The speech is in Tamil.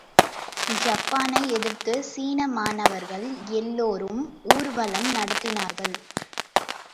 ஜப்பானை எதிர்த்து சீன மாணவர்கள் எல்லோரும் ஊர்வலம் நடத்தினார்கள்.